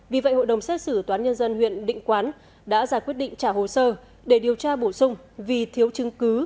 vì vậy hội đồng xét xử toán nhân dân huyện định quán đã ra quyết định trả hồ sơ để điều tra bổ sung vì thiếu chứng cứ